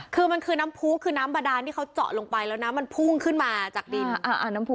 คือมันคือน้ำผู้คือน้ำบาดานที่เขาเจาะลงไปแล้วน้ำมันพุ่งขึ้นมาจากดิน